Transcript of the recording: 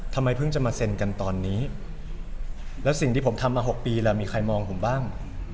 ทำไมเพิ่งจะมาเซ็นกันตอนนี้แล้วสิ่งที่ผมทำมา๖ปีแล้วมีใครมองผมบ้าง